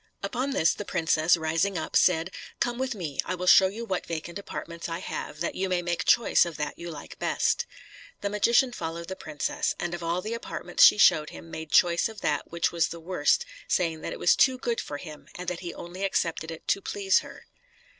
Upon this the princess, rising up, said, "Come with me; I will show you what vacant apartments I have, that you may make choice of that you like best." The magician followed the princess, and of all the apartments she showed him made choice of that which was the worst, saying that it was too good for him, and that he only accepted it to please her.